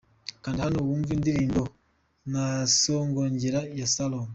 Kanda hano wumve indirimbo Nasogongera ya Salomon.